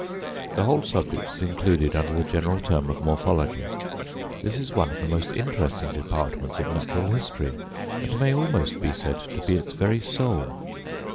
The whole subject is included under the general term of Morphology. This is one of the most interesting departments of natural history, and may almost be said to be its very soul.